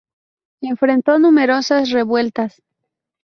Enfrentó numerosas revueltas.